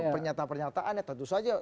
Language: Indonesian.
pernyataan pernyataannya tentu saja